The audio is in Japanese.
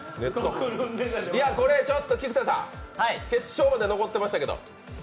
これ、菊田さん、決勝まで残ってましたけど。